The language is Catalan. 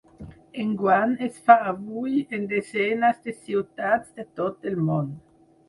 Enguany es fa avui en desenes de ciutats de tot el món.